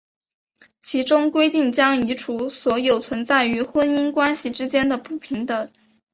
其中规定将移除所有存在于婚姻关系之间的不平等。